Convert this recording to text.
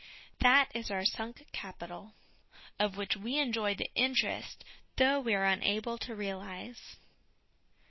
That is our sunk capital, of which we enjoy the interest though we are unable to realise.